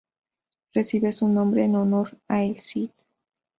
Recibe su nombre en honor a El Cid.